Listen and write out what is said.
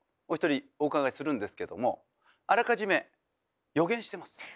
お一人お伺いするんですけどもあらかじめ予言してます。